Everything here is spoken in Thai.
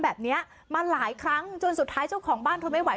แบบนี้มาหลายครั้งจนสุดท้ายเจ้าของบ้านทนไม่ไห